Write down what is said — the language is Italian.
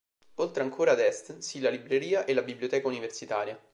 Oltre ancora ad est si la libreria e la biblioteca universitaria.